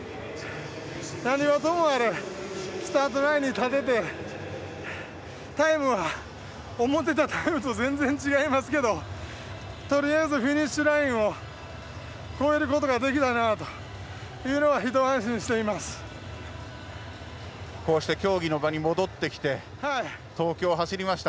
何はともあれスタートラインに立ててタイムは思っていたタイムとは全然違いますけどとりあえずフィニッシュラインを越えることができたなというので一安心しています。こうして競技の場に戻ってきて東京を走りました。